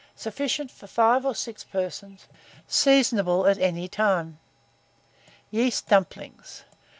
Sufficient for 5 or 6 persons. Seasonable at any time. YEAST DUMPLINGS.